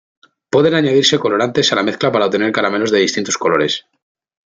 Pueden añadirse colorantes a la mezcla para obtener caramelos de distintos colores.